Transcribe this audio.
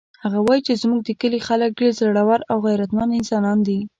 هغه وایي چې زموږ د کلي خلک ډېر زړور او غیرتمن انسانان دي